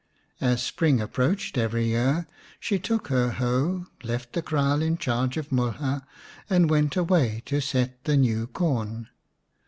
As spring approached every year she took her hoe, left the kraal in charge of Mulha, and went away to set the new corn.